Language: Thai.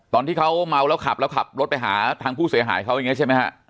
ตอนที่เขาเมาแล้วขับแล้วขับรถไปหาทางผู้เสียหายเขาอย่างนี้ใช่ไหมฮะ